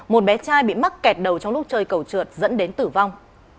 một bé trai bị mắc kẹt đầu trong lúc chơi cầu trượt dẫn đến tử vong